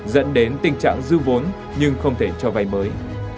dẫn đến tình trạng dư vốn nhưng không thể cho vay mới